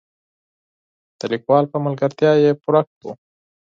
د لیکوال په ملګرتیا یې پوره کړو.